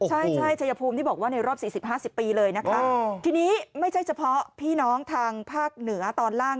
ใช่ใช่ชายภูมิที่บอกว่าในรอบ๔๐๕๐ปีเลยนะคะทีนี้ไม่ใช่เฉพาะพี่น้องทางภาคเหนือตอนล่าง